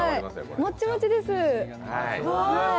もっちもちです。